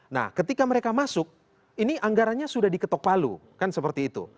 nah ketika mereka masuk ini anggarannya sudah diketok palu kan seperti itu